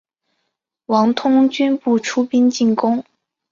王通均不出兵进攻。